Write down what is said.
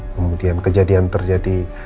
kemudian kejadian terjadi